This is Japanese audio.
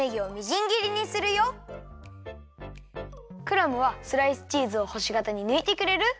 クラムはスライスチーズをほしがたにぬいてくれる？